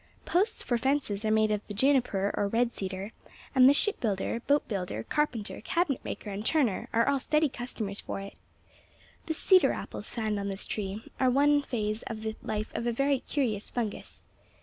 Posts for fences are made of the juniper or red cedar, and the shipbuilder, boatbuilder, carpenter, cabinet maker and turner are all steady customers for it. The 'cedar apples' found on this tree are one phase of the life of a very curious fungus.